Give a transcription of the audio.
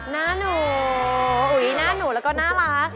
หน้าหนูอุ๋ยหน้าหนูแล้วก็น่ารัก